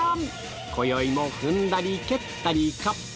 今宵も踏んだり蹴ったりか？